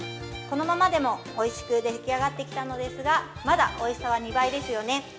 このままでもおいしく出来上がってきたのですが、まだおいしさは２倍ですよね。